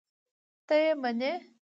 ته یې منې؟!